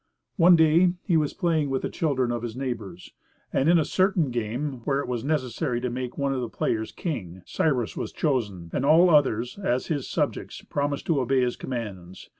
One day he was playing with the children of his neighbors, and in a certain game where it was necessary to make one of the players king, Cyrus was chosen, and all the others, as his subjects, promised to obey his commands.